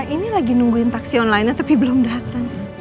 ini lagi nungguin taksi online nya tapi belum datang